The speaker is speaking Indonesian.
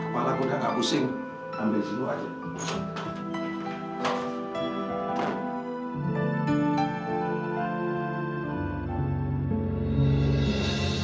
saya kena usibah rastri